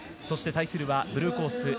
そして対するはブルーコース